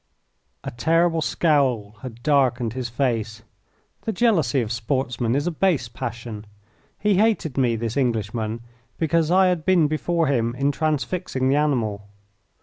A terrible scowl had darkened his face. The jealousy of sportsmen is a base passion. He hated me, this Englishman, because I had been before him in transfixing the animal.